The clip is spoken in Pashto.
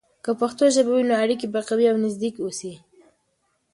که پښتو ژبه وي، نو اړیکې به قوي او نزدیک اوسي.